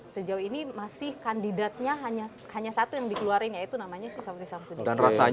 sejauh ini masih kandidatnya hanya satu yang dikeluarin yaitu namanya susafri samsudin